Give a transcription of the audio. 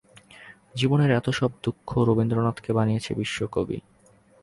জীবনের এতো সব দুঃখ রবীন্দ্রনাথকে বানিয়েছে বিশ্বকবি!